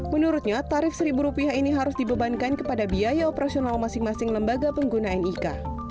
menurutnya tarif rp satu ini harus dibebankan kepada biaya operasional masing masing lembaga pengguna nik